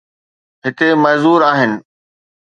هتي معذور آهن.